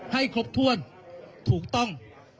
ให้ครบถ้วนถูกต้อง